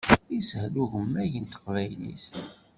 Ishel ugemmay n teqbaylit.